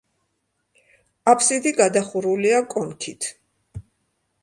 აბსიდი გადახურულია კონქით.